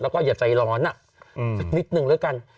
แล้วก็อย่าใจร้อนสักนิดนึงแล้วกัน